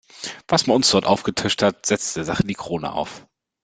Was man uns dort aufgetischt hat, setzt der Sache die Krone auf!